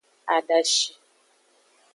Adashi.